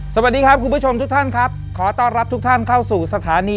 สวัสดีครับคุณผู้ชมทุกท่านครับขอต้อนรับทุกท่านเข้าสู่สถานี